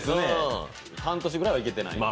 半年ぐらいは行けてない。